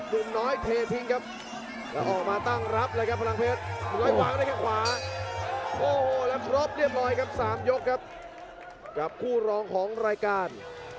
น้องน้อยเททิ้งครับแล้วออกมาตั้งรับเลยครับพลังเพชร